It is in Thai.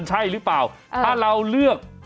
ถ้าเราเลือก